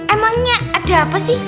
emangnya ada apa sih